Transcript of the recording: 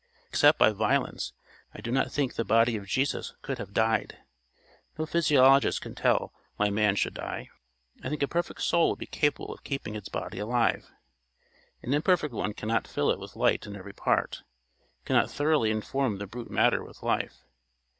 Except by violence I do not think the body of Jesus could have died. No physiologist can tell why man should die. I think a perfect soul would be capable of keeping its body alive. An imperfect one cannot fill it with light in every part cannot thoroughly inform the brute matter with life.